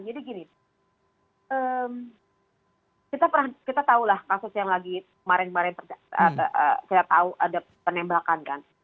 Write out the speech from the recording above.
jadi gini kita tahu lah kasus yang lagi kemarin kemarin kita tahu ada penembakan kan